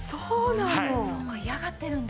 そうか嫌がってるんだ。